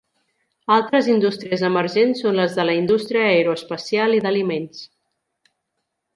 Altres indústries emergents són les de la indústria aeroespacial i d'aliments.